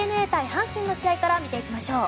阪神の試合から見ていきましょう。